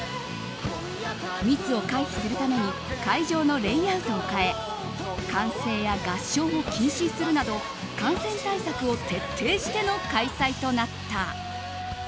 密を回避するために会場のレイアウトを変え歓声や合唱を禁止するなど感染対策を徹底しての開催となった。